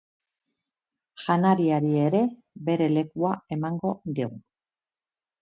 Janariari ere bere lekua emango digu.